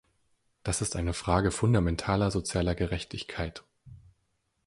Das ist eine Frage fundamentaler sozialer Gerechtigkeit.